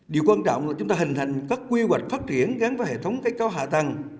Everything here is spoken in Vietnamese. điều quan trọng là chúng ta hình thành các quy hoạch phát triển gắn với hệ thống kết cấu hạ tầng